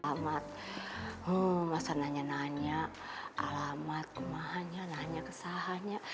alamat rumah senangnya nanya alamat kemahannya nanya kesahannya